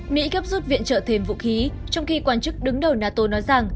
mỹ gấp rút viện trợ thêm vũ khí trong khi quan chức đứng đầu nato nói rằng